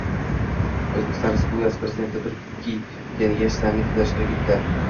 O‘zbekiston Respublikasi Prezidenti Turkiy kengash sammitida ishtirok etading